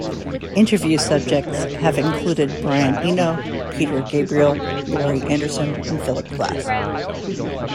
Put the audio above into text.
Interview subjects have included Brian Eno, Peter Gabriel, Laurie Anderson, and Philip Glass.